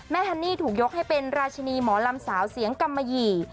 ฮันนี่ถูกยกให้เป็นราชินีหมอลำสาวเสียงกำมะหยี่